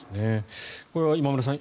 これは今村さん